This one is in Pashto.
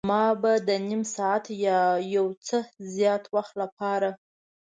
ما به د نیم ساعت یا یو څه زیات وخت لپاره.